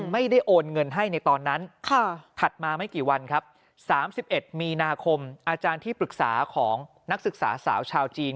มีนาคมอาจารย์ที่ปรึกษาของนักศึกษาสาวชาวจีน